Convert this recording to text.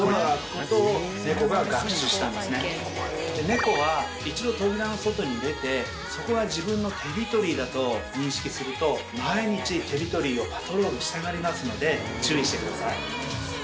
猫は一度扉の外に出てそこが自分のテリトリーだと認識すると毎日テリトリーをパトロールしたがりますので注意してください。